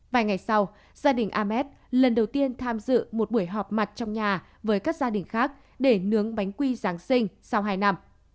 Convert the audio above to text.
vài ngày sau gia đình ahmed lần đầu tiên tham dự một buổi họp mặt trong nhà với các gia đình khác để nướng bánh quy giáng sinh sau hai năm